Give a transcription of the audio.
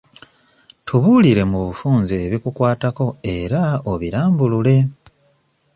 Tubuulire mu bufunze ebikukwatako era obirambulule.